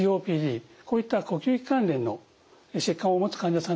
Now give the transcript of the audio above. こういった呼吸器関連の疾患を持つ患者さんの治療に使われます。